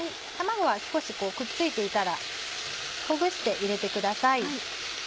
卵は少しこうくっついていたらほぐして入れてください。